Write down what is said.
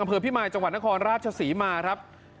กระเภอพี่มายจังหวัดนครราชสีมา